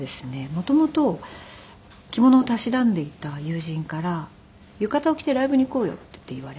元々着物をたしなんでいた友人から「浴衣を着てライブに行こうよ」って言われて。